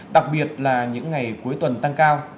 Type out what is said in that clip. đặc biệt là những ngày cuối tuần tăng cao